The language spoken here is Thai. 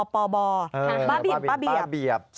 ป้าเบียบป้าเบียบ